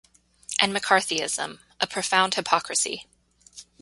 And McCarthyism ... A profound hypocrisy.